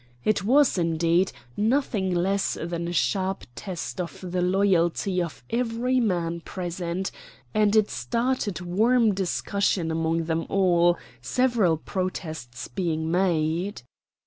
It was, indeed, nothing less than a sharp test of the loyalty of every man present, and it started warm discussion among them all, several protests being made.